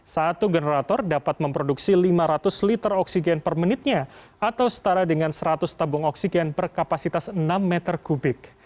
satu generator dapat memproduksi lima ratus liter oksigen per menitnya atau setara dengan seratus tabung oksigen per kapasitas enam meter kubik